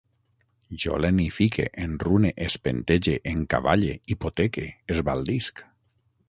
Jo lenifique, enrune, espentege, encavalle, hipoteque, esbaldisc